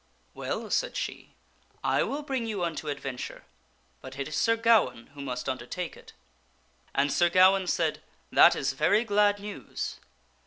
"Well," said she, " I will bring you unto adventure, but it is Sir Gawaine who must undertake it." And Sir Gawaine said, "That is very glad news."